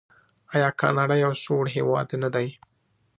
آیا کاناډا یو سوړ هیواد نه دی؟